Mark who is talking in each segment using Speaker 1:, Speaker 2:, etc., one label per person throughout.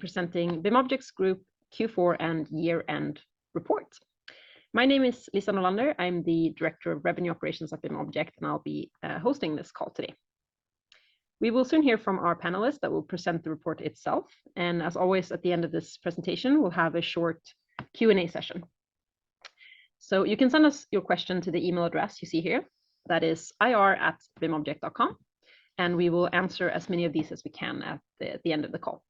Speaker 1: Presenting BIMobject's Group Q4 and Year-End Report. My name is Lisa Norlander, I'm the Director of Revenue Operations at BIMobject, and I'll be hosting this call today. We will soon hear from our panelists that will present the report itself, and as always at the end of this presentation we'll have a short Q&A session. So you can send us your question to the email address you see here, that is ir@bimobject.com, and we will answer as many of these as we can at the end of the call.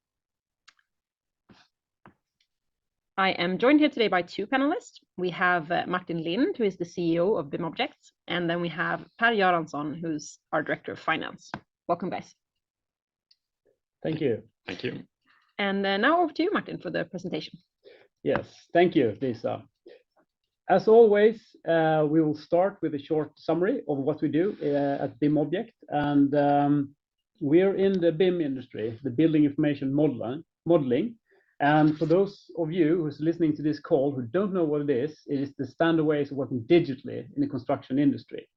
Speaker 1: I am joined here today by two panelists. We have Martin Lindh, who is the CEO of BIMobject, and then we have Per Göransson, who's our Director of Finance. Welcome, guys.
Speaker 2: Thank you.
Speaker 3: Thank you.
Speaker 1: Now over to you, Martin, for the presentation.
Speaker 2: Yes, thank you, Lisa. As always, we will start with a short summary of what we do at BIMobject, and we're in the BIM industry, the Building Information Modeling. For those of you who are listening to this call who don't know what it is, it is the standard ways of working digitally in the construction industry.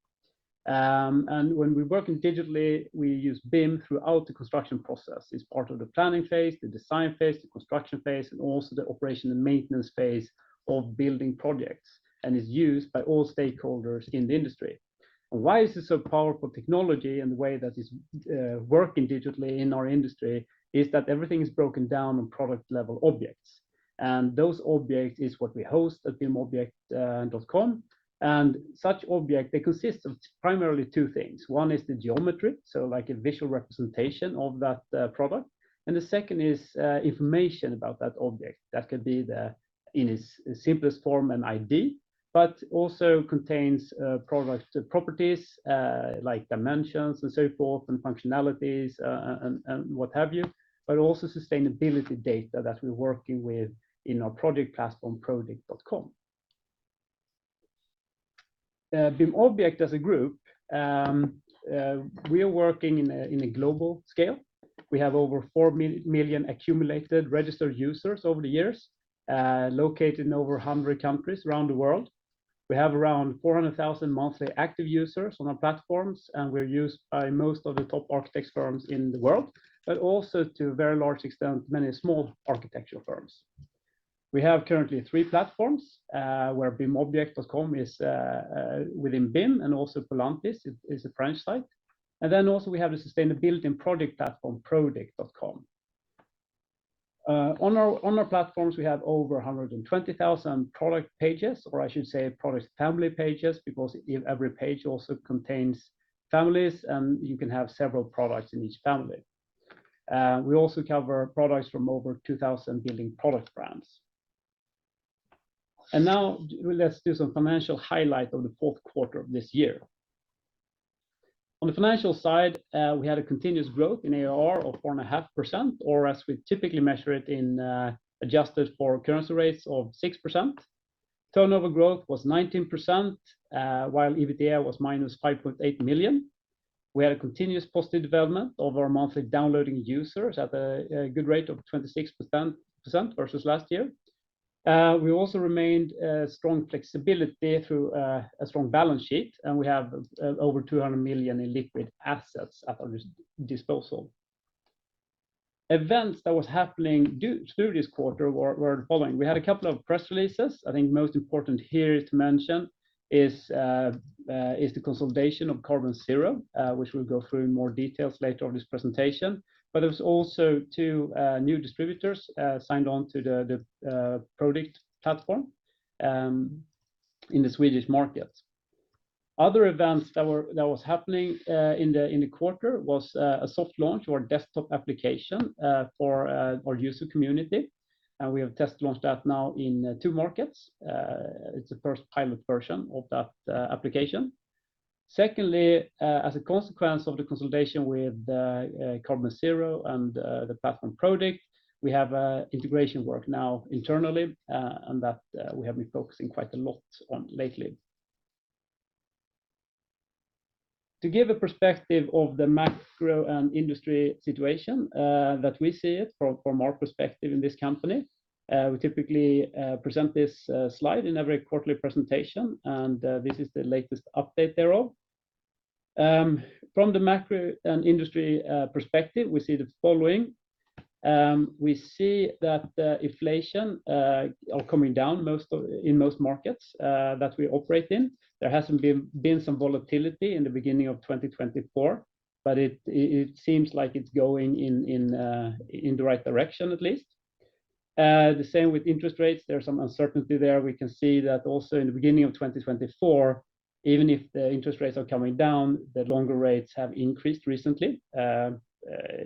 Speaker 2: When we work digitally, we use BIM throughout the construction process. It's part of the planning phase, the design phase, the construction phase, and also the operation and maintenance phase of building projects, and it's used by all stakeholders in the industry. Why is it so powerful technology and the way that it's working digitally in our industry is that everything is broken down on product-level objects. Those objects is what we host at bimobject.com, and such objects consist of primarily two things. One is the geometry, so like a visual representation of that product, and the second is information about that object. That could be in its simplest form an ID, but also contains product properties like dimensions and so forth and functionalities and what have you, but also sustainability data that we're working with in our Prodikt platform, prodikt.com. BIMobject as a group, we are working in a global scale. We have over four million accumulated registered users over the years, located in over 100 countries around the world. We have around 400,000 monthly active users on our platforms, and we're used by most of the top architects firms in the world, but also to a very large extent many small architectural firms. We have currently three platforms where bimobject.com is within BIM and also Polantis is a French site. And then also we have the sustainability and Prodikt platform, prodikt.com. On our platforms, we have over 120,000 product pages, or I should say product family pages, because every page also contains families and you can have several products in each family. We also cover products from over 2,000 building product brands. Now let's do some financial highlight of the fourth quarter of this year. On the financial side, we had a continuous growth in ARR of 4.5%, or as we typically measure it adjusted for currency rates of 6%. Turnover growth was 19% while EBITDA was -5.8 million. We had a continuous positive development of our monthly downloading users at a good rate of 26% versus last year. We also maintained strong flexibility through a strong balance sheet, and we have over 200 million in liquid assets at our disposal. Events that were happening through this quarter were the following. We had a couple of press releases. I think the most important here to mention is the consolidation of Carbonzero, which we'll go through in more details later on this presentation. But there were also two new distributors signed on to the Prodikt platform in the Swedish market. Other events that were happening in the quarter was a soft launch of our desktop application for our user community, and we have test-launched that now in two markets. It's the first pilot version of that application. Secondly, as a consequence of the consolidation with Carbonzero and the platform Prodikt, we have integration work now internally and that we have been focusing quite a lot on lately. To give a perspective of the macro and industry situation that we see it from our perspective in this company, we typically present this slide in every quarterly presentation, and this is the latest update thereof. From the macro and industry perspective, we see the following. We see that inflation is coming down in most markets that we operate in. There hasn't been some volatility in the beginning of 2024, but it seems like it's going in the right direction at least. The same with interest rates. There's some uncertainty there. We can see that also in the beginning of 2024, even if the interest rates are coming down, the longer rates have increased recently,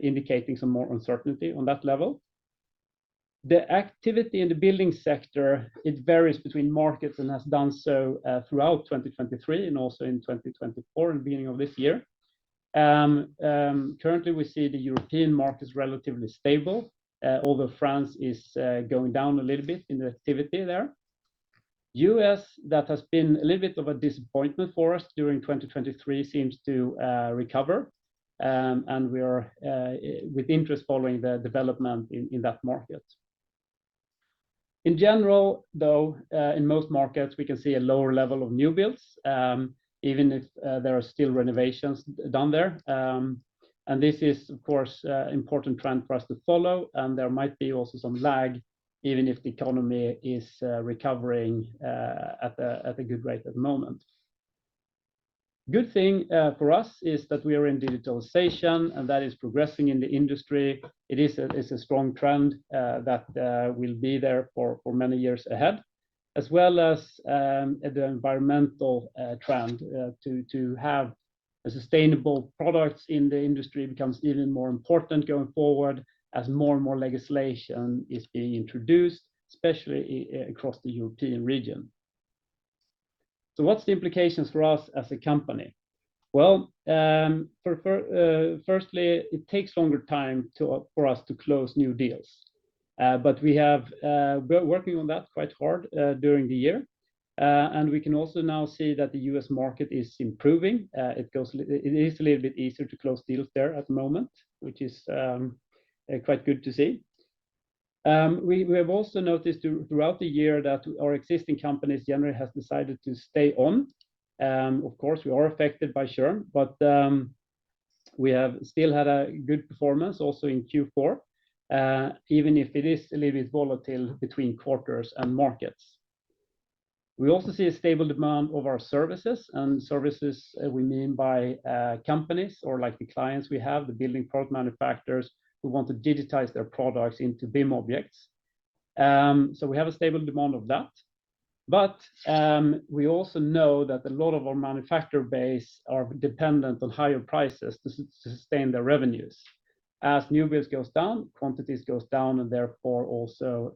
Speaker 2: indicating some more uncertainty on that level. The activity in the building sector varies between markets and has done so throughout 2023 and also in 2024 and beginning of this year. Currently, we see the European markets relatively stable, although France is going down a little bit in the activity there. The U.S., that has been a little bit of a disappointment for us during 2023, seems to recover, and we are with interest following the development in that market. In general, though, in most markets we can see a lower level of new builds, even if there are still renovations done there. And this is, of course, an important trend for us to follow, and there might be also some lag even if the economy is recovering at a good rate at the moment. A good thing for us is that we are in digitalization, and that is progressing in the industry. It is a strong trend that will be there for many years ahead, as well as the environmental trend. To have sustainable products in the industry becomes even more important going forward as more and more legislation is being introduced, especially across the European region. So what's the implications for us as a company? Well, firstly, it takes longer time for us to close new deals, but we're working on that quite hard during the year. We can also now see that the U.S. market is improving. It is a little bit easier to close deals there at the moment, which is quite good to see. We have also noticed throughout the year that our existing companies generally have decided to stay on. Of course, we are affected by churn, but we have still had a good performance also in Q4, even if it is a little bit volatile between quarters and markets. We also see a stable demand of our services, and services we mean by companies or like the clients we have, the building product manufacturers who want to digitize their products into BIMobjects. So we have a stable demand of that. But we also know that a lot of our manufacturer base are dependent on higher prices to sustain their revenues. As new builds go down, quantities go down and therefore also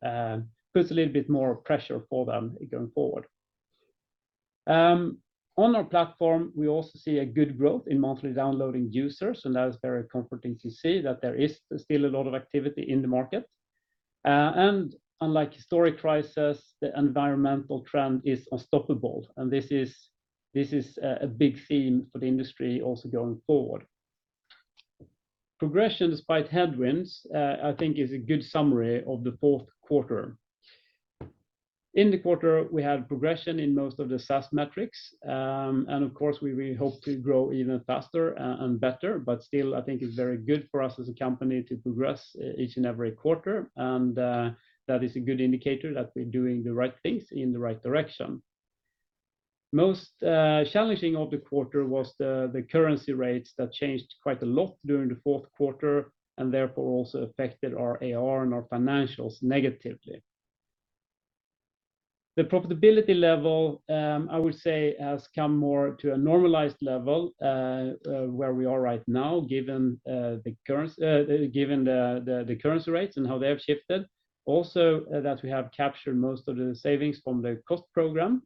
Speaker 2: puts a little bit more pressure for them going forward. On our platform, we also see a good growth in monthly downloading users, and that is very comforting to see that there is still a lot of activity in the market. And unlike the historic crisis, the environmental trend is unstoppable, and this is a big theme for the industry also going forward. Progression despite headwinds, I think, is a good summary of the fourth quarter. In the quarter, we had progression in most of the SaaS metrics, and of course we really hope to grow even faster and better, but still I think it's very good for us as a company to progress each and every quarter, and that is a good indicator that we're doing the right things in the right direction. Most challenging of the quarter was the currency rates that changed quite a lot during the fourth quarter and therefore also affected our ARR and our financials negatively. The profitability level, I would say, has come more to a normalized level where we are right now given the currency rates and how they have shifted. Also that we have captured most of the savings from the cost program.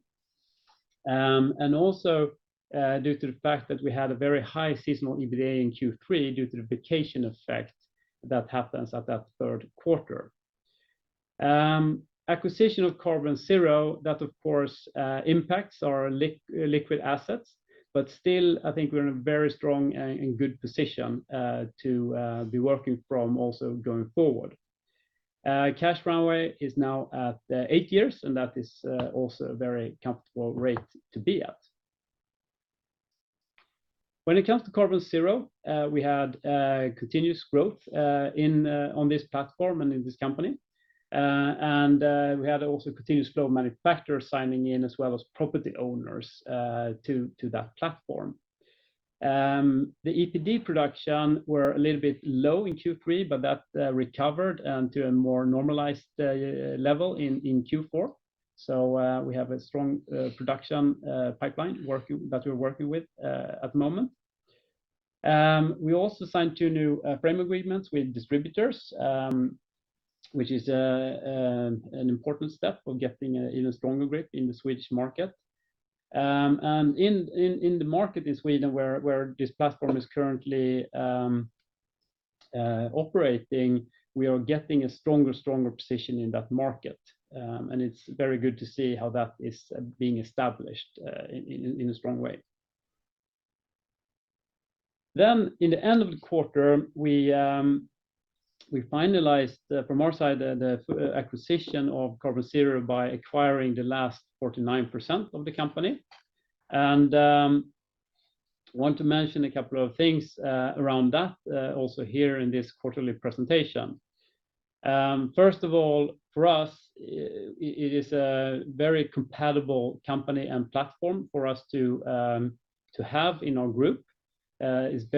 Speaker 2: Also due to the fact that we had a very high seasonal EBITDA in Q3 due to the vacation effect that happens at that third quarter. Acquisition of Carbonzero, that of course impacts our liquid assets, but still I think we're in a very strong and good position to be working from also going forward. Cash runway is now at eight years, and that is also a very comfortable rate to be at. When it comes to Carbonzero, we had continuous growth on this platform and in this company, and we had also continuous flow of manufacturers signing in as well as property owners to that platform. The EPD production were a little bit low in Q3, but that recovered to a more normalized level in Q4. So we have a strong production pipeline that we're working with at the moment. We also signed two new frame agreements with distributors, which is an important step for getting an even stronger grip in the Swedish market. And in the market in Sweden where this platform is currently operating, we are getting a stronger, stronger position in that market, and it's very good to see how that is being established in a strong way. Then in the end of the quarter, we finalized from our side the acquisition of Carbonzero by acquiring the last 49% of the company. And I want to mention a couple of things around that also here in this quarterly presentation. First of all, for us, it is a very compatible company and platform for us to have in our group. Both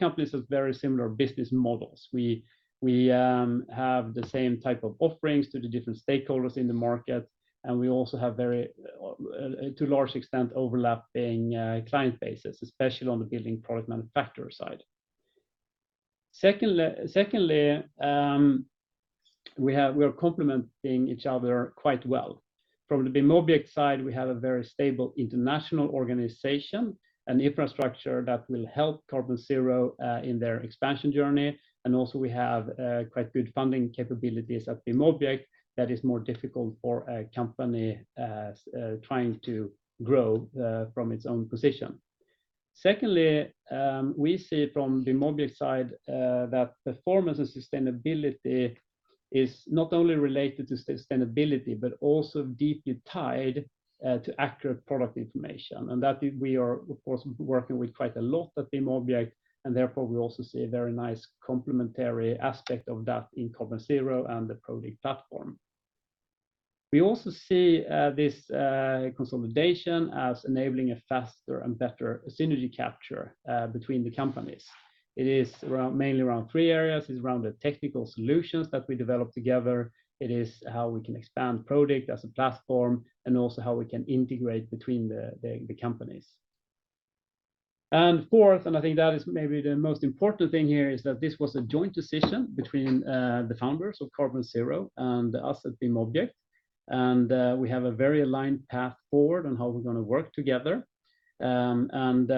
Speaker 2: companies have very similar business models. We have the same type of offerings to the different stakeholders in the market, and we also have very, to a large extent, overlapping client bases, especially on the building product manufacturer side. Secondly, we are complementing each other quite well. From the BIMobject side, we have a very stable international organization and infrastructure that will help Carbonzero in their expansion journey, and also we have quite good funding capabilities at BIMobject that is more difficult for a company trying to grow from its own position. Secondly, we see from the BIMobject side that performance and sustainability is not only related to sustainability, but also deeply tied to accurate product information, and that we are, of course, working with quite a lot at BIMobject, and therefore we also see a very nice complementary aspect of that in Carbonzero and the Prodikt platform. We also see this consolidation as enabling a faster and better synergy capture between the companies. It is mainly around three areas. It's around the technical solutions that we develop together. It is how we can expand Prodikt as a platform and also how we can integrate between the companies. And fourth, and I think that is maybe the most important thing here, is that this was a joint decision between the founders of Carbonzero and us at BIMobject, and we have a very aligned path forward on how we're going to work together. And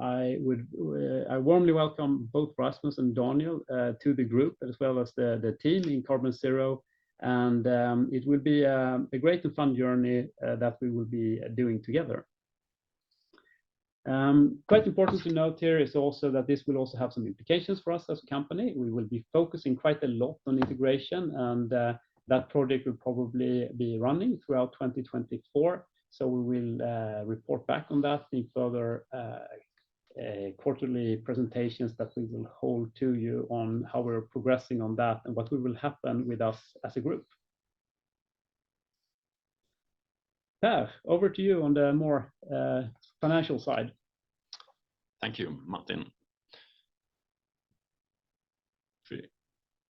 Speaker 2: I warmly welcome both Rasmus and Daniel to the group as well as the team in Carbonzero, and it will be a great and fun journey that we will be doing together. Quite important to note here is also that this will also have some implications for us as a company. We will be focusing quite a lot on integration, and that Prodikt will probably be running throughout 2024, so we will report back on that in further quarterly presentations that we will hold to you on how we're progressing on that and what will happen with us as a group. Per, over to you on the more financial side.
Speaker 3: Thank you, Martin.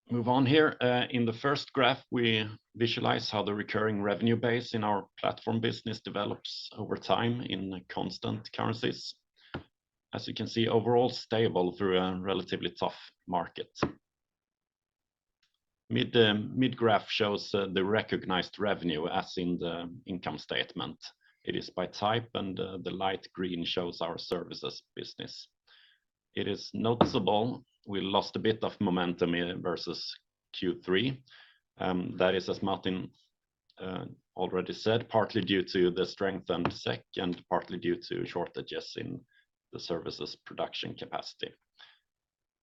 Speaker 3: If we move on here, in the first graph we visualize how the recurring revenue base in our platform business develops over time in constant currencies. As you can see, overall stable through a relatively tough market. The mid graph shows the recognized revenue as in the income statement. It is by type, and the light green shows our services business. It is noticeable we lost a bit of momentum versus Q3. That is, as Martin already said, partly due to the strengthened SEK and partly due to shortages in the services production capacity.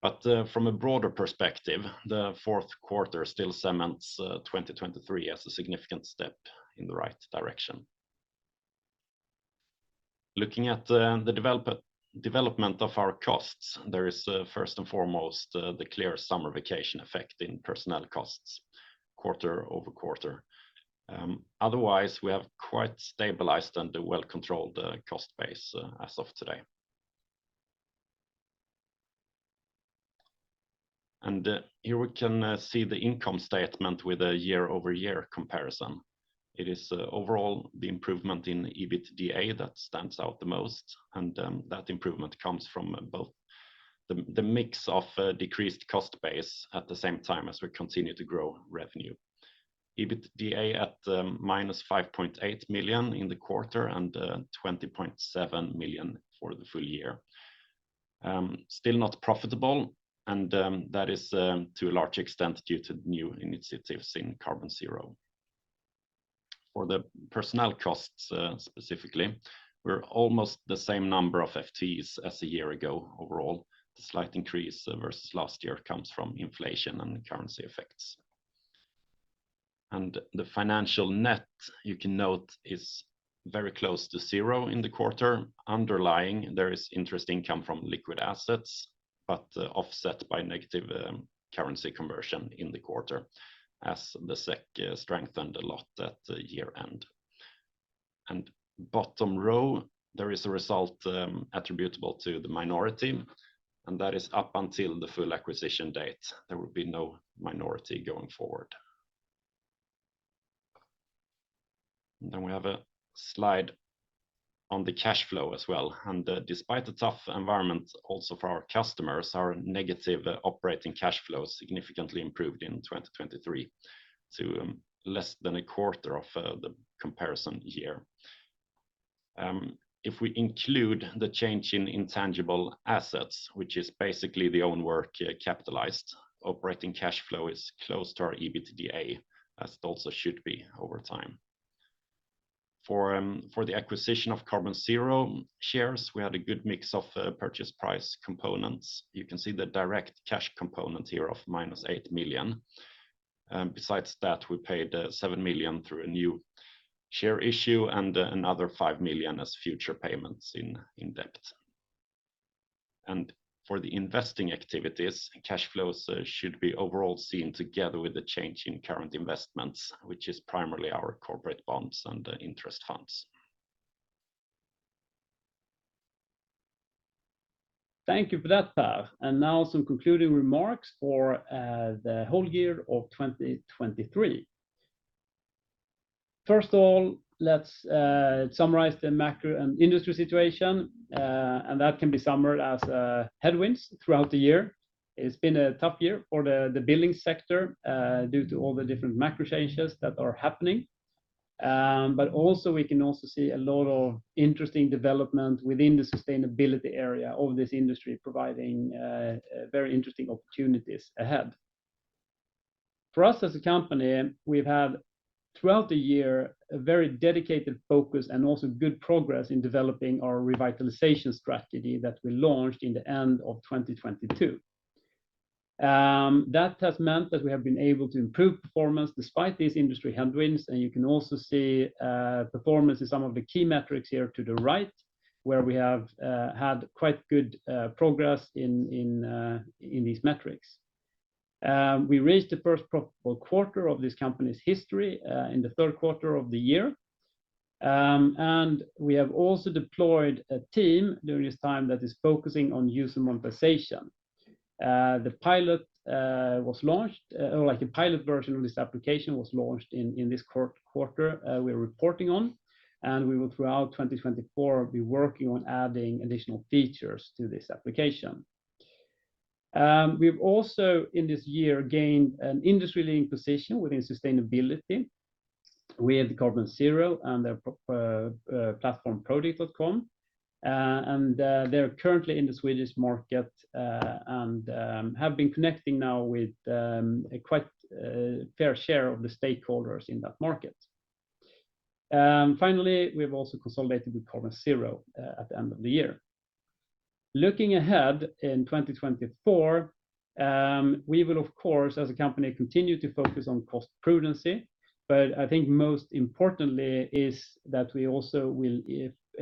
Speaker 3: But from a broader perspective, the fourth quarter still cements 2023 as a significant step in the right direction. Looking at the development of our costs, there is first and foremost the clear summer vacation effect in personnel costs quarter over quarter. Otherwise, we have quite stabilized and a well-controlled cost base as of today. And here we can see the income statement with a year-over-year comparison. It is overall the improvement in EBITDA that stands out the most, and that improvement comes from both the mix of decreased cost base at the same time as we continue to grow revenue. EBITDA at -5.8 million in the quarter and 20.7 million for the full year. Still not profitable, and that is to a large extent due to new initiatives in Carbonzero. For the personnel costs specifically, we're almost the same number of FTEs as a year ago overall. The slight increase versus last year comes from inflation and currency effects. And the financial net, you can note, is very close to zero in the quarter. Underlying, there is interest income from liquid assets but offset by negative currency conversion in the quarter as the SEK strengthened a lot at year-end. And bottom row, there is a result attributable to the minority, and that is up until the full acquisition date. There will be no minority going forward. Then we have a slide on the cash flow as well. Despite a tough environment also for our customers, our negative operating cash flow significantly improved in 2023 to less than a quarter of the comparison year. If we include the change in intangible assets, which is basically the own work capitalized, operating cash flow is close to our EBITDA as it also should be over time. For the acquisition of Carbonzero shares, we had a good mix of purchase price components. You can see the direct cash component here of -8 million. Besides that, we paid 7 million through a new share issue and another 5 million as future payments in debt. For the investing activities, cash flows should be overall seen together with the change in current investments, which is primarily our corporate bonds and interest funds.
Speaker 2: Thank you for that, Per. Now some concluding remarks for the whole year of 2023. First of all, let's summarize the macro and industry situation, and that can be summed up as headwinds throughout the year. It's been a tough year for the building sector due to all the different macro changes that are happening. But also, we can also see a lot of interesting development within the sustainability area of this industry providing very interesting opportunities ahead. For us as a company, we've had throughout the year a very dedicated focus and also good progress in developing our revitalization strategy that we launched in the end of 2022. That has meant that we have been able to improve performance despite these industry headwinds, and you can also see performance in some of the key metrics here to the right where we have had quite good progress in these metrics. We reached the first profitable quarter of this company's history in the third quarter of the year, and we have also deployed a team during this time that is focusing on use and monetization. The pilot was launched, or like a pilot version of this application was launched in this quarter we're reporting on, and we will throughout 2024 be working on adding additional features to this application. We've also in this year gained an industry-leading position within sustainability with Carbonzero and their platform prodikt.com, and they're currently in the Swedish market and have been connecting now with a quite fair share of the stakeholders in that market. Finally, we've also consolidated with Carbonzero at the end of the year. Looking ahead in 2024, we will, of course, as a company continue to focus on cost prudency, but I think most importantly is that we also will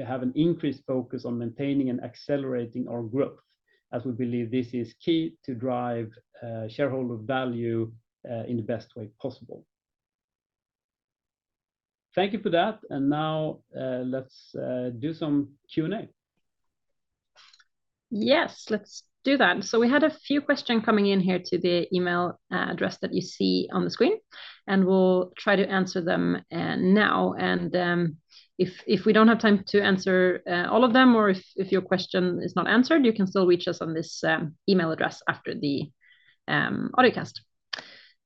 Speaker 2: have an increased focus on maintaining and accelerating our growth as we believe this is key to drive shareholder value in the best way possible. Thank you for that, and now let's do some Q&A.
Speaker 1: Yes, let's do that. So we had a few questions coming in here to the email address that you see on the screen, and we'll try to answer them now. And if we don't have time to answer all of them or if your question is not answered, you can still reach us on this email address after the podcast.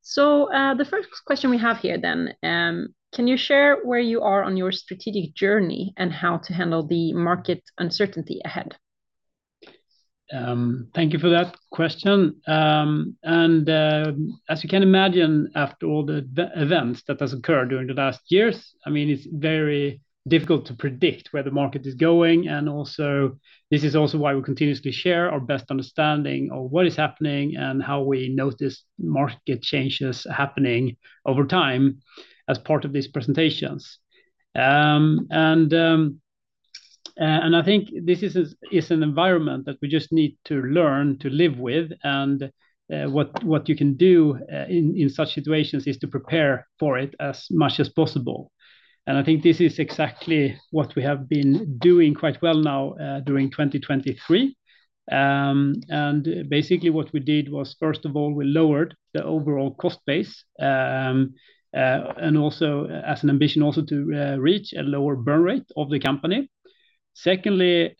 Speaker 1: So the first question we have here then, can you share where you are on your strategic journey and how to handle the market uncertainty ahead?
Speaker 2: Thank you for that question. As you can imagine, after all the events that have occurred during the last years, I mean, it's very difficult to predict where the market is going. This is also why we continuously share our best understanding of what is happening and how we notice market changes happening over time as part of these presentations. I think this is an environment that we just need to learn to live with, and what you can do in such situations is to prepare for it as much as possible. I think this is exactly what we have been doing quite well now during 2023. Basically, what we did was, first of all, we lowered the overall cost base and also as an ambition also to reach a lower burn rate of the company. Secondly,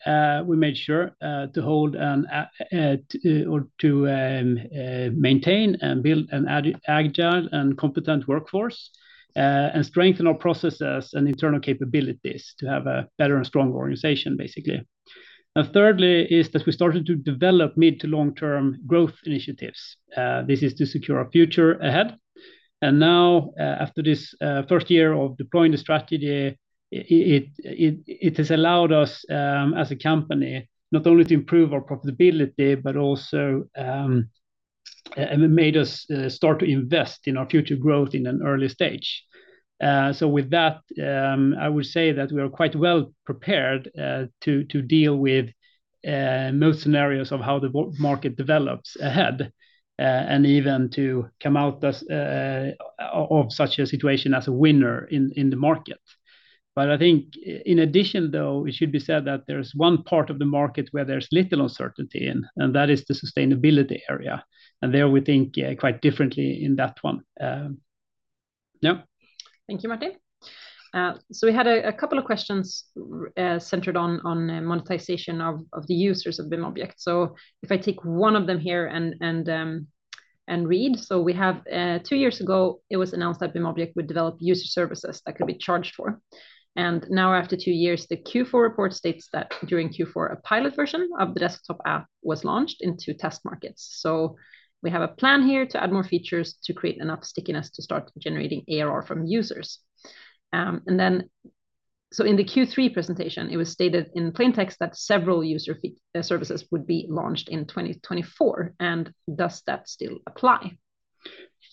Speaker 2: we made sure to hold and to maintain and build an agile and competent workforce and strengthen our processes and internal capabilities to have a better and stronger organization, basically. And thirdly is that we started to develop mid- to long-term growth initiatives. This is to secure our future ahead. And now, after this first year of deploying the strategy, it has allowed us as a company not only to improve our profitability but also made us start to invest in our future growth in an early stage. So with that, I would say that we are quite well prepared to deal with most scenarios of how the market develops ahead and even to come out of such a situation as a winner in the market. But I think in addition, though, it should be said that there's one part of the market where there's little uncertainty in, and that is the sustainability area. And there we think quite differently in that one. Yeah.
Speaker 1: Thank you, Martin. So we had a couple of questions centered on monetization of the users of BIMobject. So if I take one of them here and read. So we have two years ago, it was announced that BIMobject would develop user services that could be charged for. And now, after two years, the Q4 report states that during Q4, a pilot version of the desktop app was launched into test markets. So we have a plan here to add more features to create enough stickiness to start generating ARR from users. In the Q3 presentation, it was stated in plain text that several user services would be launched in 2024. Does that still apply?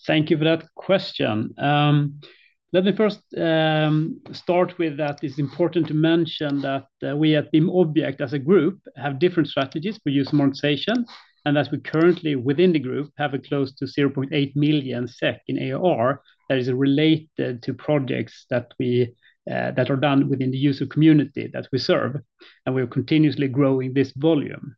Speaker 2: Thank you for that question. Let me first start with that it's important to mention that we at BIMobject as a group have different strategies for use and monetization, and that we currently within the group have a close to 0.8 million SEK in ARR that is related to projects that are done within the user community that we serve, and we are continuously growing this volume.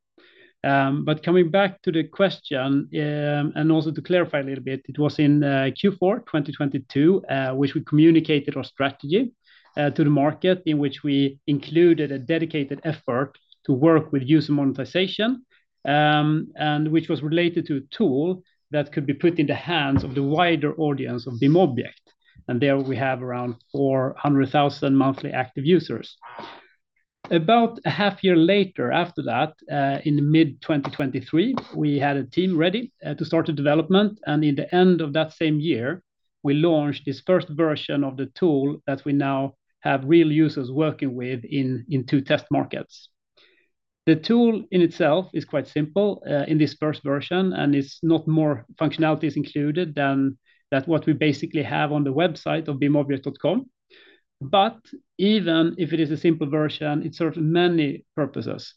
Speaker 2: But coming back to the question and also to clarify a little bit, it was in Q4 2022 which we communicated our strategy to the market in which we included a dedicated effort to work with use and monetization, and which was related to a tool that could be put in the hands of the wider audience of BIMobject. And there we have around 400,000 monthly active users. About a half year later after that, in mid-2023, we had a team ready to start the development, and in the end of that same year, we launched this first version of the tool that we now have real users working with in two test markets. The tool in itself is quite simple in this first version, and it's not more functionalities included than what we basically have on the website of bimobject.com. Even if it is a simple version, it serves many purposes.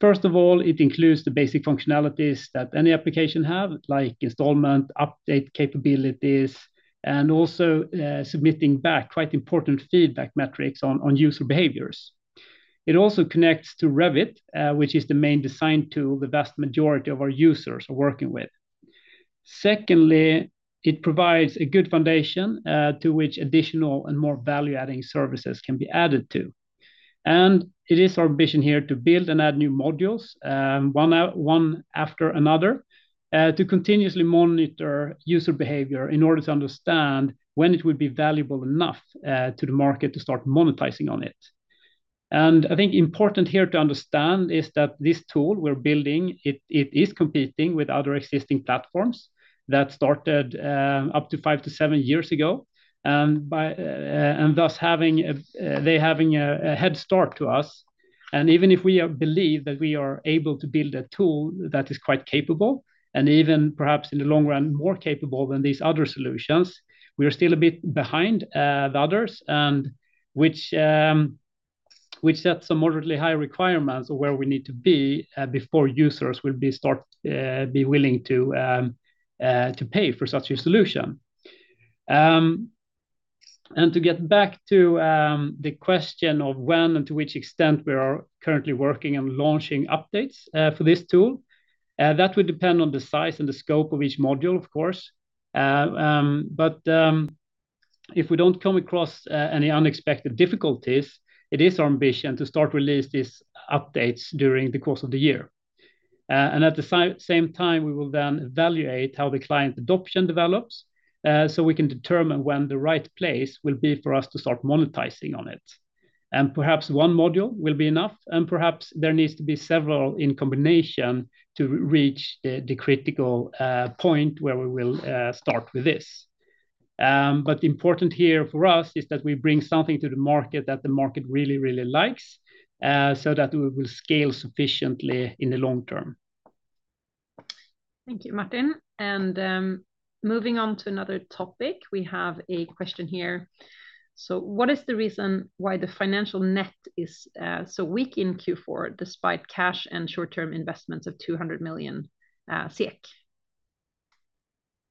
Speaker 2: First of all, it includes the basic functionalities that any application have, like installment, update capabilities, and also submitting back quite important feedback metrics on user behaviors. It also connects to Revit, which is the main design tool the vast majority of our users are working with. Secondly, it provides a good foundation to which additional and more value-adding services can be added to. It is our ambition here to build and add new modules, one after another, to continuously monitor user behavior in order to understand when it would be valuable enough to the market to start monetizing on it. I think important here to understand is that this tool we're building, it is competing with other existing platforms that started up to five-seven years ago and thus having a head start to us. Even if we believe that we are able to build a tool that is quite capable and even perhaps in the long run more capable than these other solutions, we are still a bit behind the others, which set some moderately high requirements of where we need to be before users will be willing to pay for such a solution. To get back to the question of when and to which extent we are currently working on launching updates for this tool, that would depend on the size and the scope of each module, of course. But if we don't come across any unexpected difficulties, it is our ambition to start releasing these updates during the course of the year. And at the same time, we will then evaluate how the client adoption develops so we can determine when the right place will be for us to start monetizing on it. And perhaps one module will be enough, and perhaps there needs to be several in combination to reach the critical point where we will start with this. But important here for us is that we bring something to the market that the market really, really likes so that we will scale sufficiently in the long term.
Speaker 1: Thank you, Martin. And moving on to another topic, we have a question here. So what is the reason why the financial net is so weak in Q4 despite cash and short-term investments of 200 million?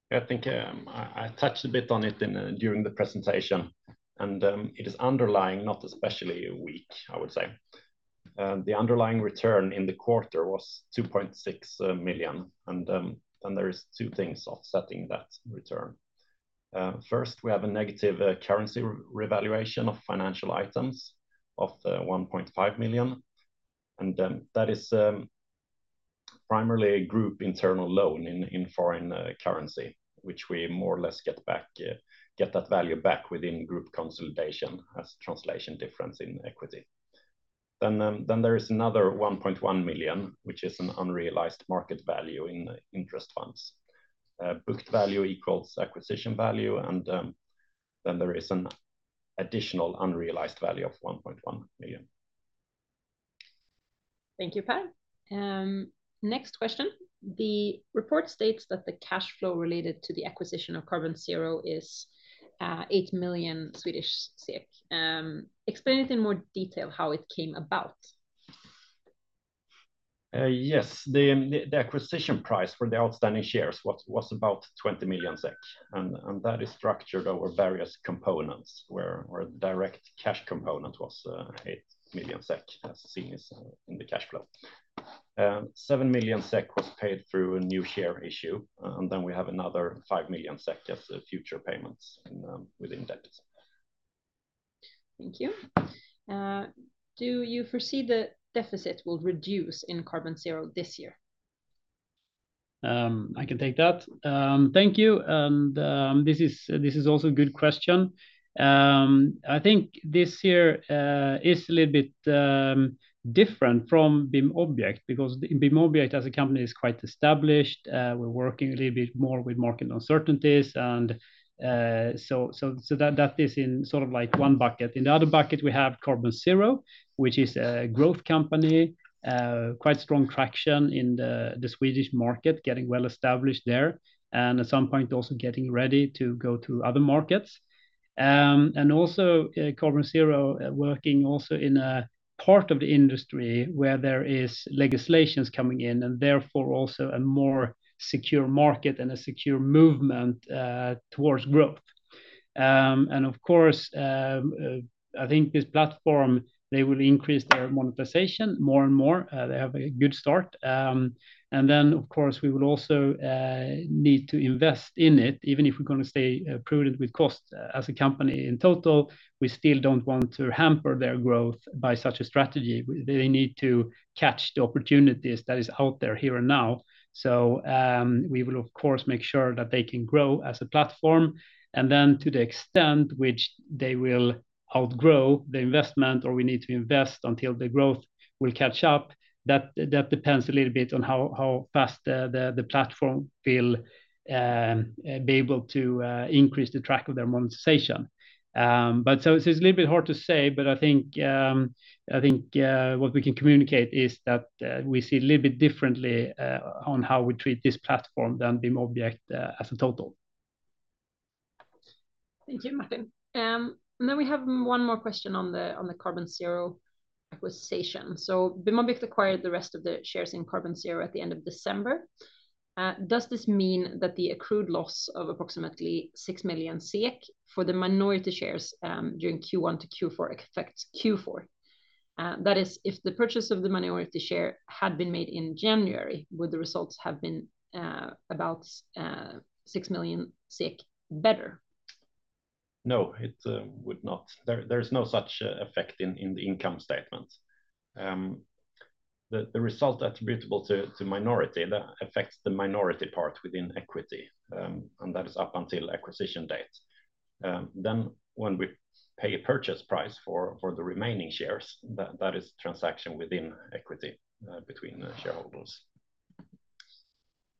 Speaker 3: Yeah, I think I touched a bit on it during the presentation, and it is underlying not especially weak, I would say. The underlying return in the quarter was 2.6 million, and there are two things offsetting that return. First, we have a negative currency revaluation of financial items of 1.5 million, and that is primarily a group internal loan in foreign currency, which we more or less get that value back within group consolidation as translation difference in equity. Then there is another 1.1 million, which is an unrealized market value in interest funds. Booked value equals acquisition value, and then there is an additional unrealized value of 1.1 million.
Speaker 1: Thank you, Per. Next question. The report states that the cash flow related to the acquisition of Carbonzero is 8 million. Explain it in more detail how it came about.
Speaker 3: Yes, the acquisition price for the outstanding shares was about 20 million SEK, and that is structured over various components where the direct cash component was 8 million SEK as seen in the cash flow. 7 million SEK was paid through a new share issue, and then we have another 5 million SEK as future payments within debts.
Speaker 1: Thank you. Do you foresee the deficit will reduce in Carbonzero this year?
Speaker 2: I can take that. Thank you, and this is also a good question. I think this year is a little bit different from BIMobject because BIMobject as a company is quite established. We're working a little bit more with market uncertainties, and so that is in sort of like one bucket. In the other bucket, we have Carbonzero, which is a growth company, quite strong traction in the Swedish market, getting well established there, and at some point also getting ready to go to other markets. Also Carbonzero working also in a part of the industry where there are legislations coming in and therefore also a more secure market and a secure movement towards growth. Of course, I think this platform, they will increase their monetization more and more. They have a good start. Then, of course, we will also need to invest in it. Even if we're going to stay prudent with cost as a company in total, we still don't want to hamper their growth by such a strategy. They need to catch the opportunities that are out there here and now. So we will, of course, make sure that they can grow as a platform. And then to the extent which they will outgrow the investment or we need to invest until the growth will catch up, that depends a little bit on how fast the platform will be able to increase the track of their monetization. But so it's a little bit hard to say, but I think what we can communicate is that we see a little bit differently on how we treat this platform than BIMobject as a total.
Speaker 1: Thank you, Martin. Now we have one more question on the Carbonzero acquisition. So BIMobject acquired the rest of the shares in Carbonzero at the end of December. Does this mean that the accrued loss of approximately 6 million SEK for the minority shares during Q1 to Q4 affects Q4? That is, if the purchase of the minority share had been made in January, would the results have been about 6 million better?
Speaker 3: No, it would not. There's no such effect in the income statement. The result attributable to minority, that affects the minority part within equity, and that is up until acquisition date. Then when we pay a purchase price for the remaining shares, that is transaction within equity between shareholders.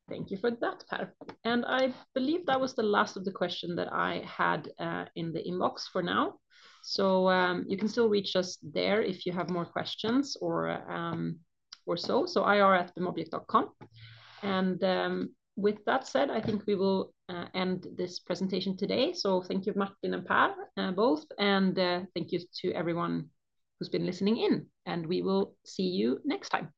Speaker 1: Thank you for that, Per. And I believe that was the last of the questions that I had in the inbox for now. So you can still reach us there if you have more questions or so. So ir@bimobject.com. And with that said, I think we will end this presentation today. So thank you, Martin and Per, both, and thank you to everyone who's been listening in. And we will see you next time.